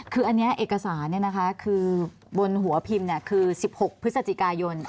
คืออันนี้เอกสารคือบนหัวพิมพ์คือ๑๖พฤศจิกายน